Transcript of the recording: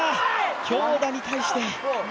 強打に対して。